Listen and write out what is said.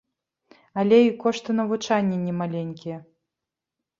Але і кошты навучання немаленькія.